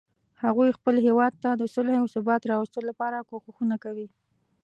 هغوی خپل هیواد ته د صلحې او ثبات راوستلو لپاره کوښښونه کوي